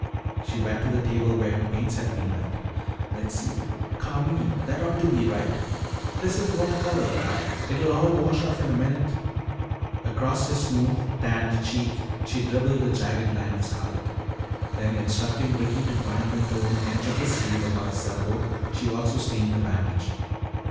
She went to the table where her paints had been left. "Let's see carmine, that ought to be right. This is water color, Val, it'll all wash off in a minute." Across his smooth tanned cheek she dribbled a jagged line of scarlet. Then instructing Ricky to bind the torn edge of his sleeve above his elbow, she also stained the bandage.